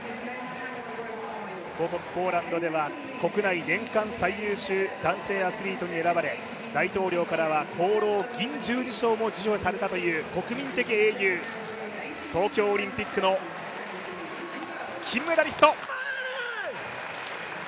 母国ポーランドでは国内年間最優秀選手賞に選ばれ、大統領からは表彰もされたという国民的英雄、東京オリンピックの金メダリスト。